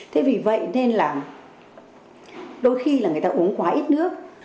thế vì vậy nên là đôi khi là người ta uống quá ít nước